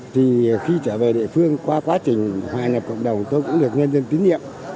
thì khi trở về địa phương qua quá trình hòa nhập cộng đồng tôi cũng được nhân dân tín nhiệm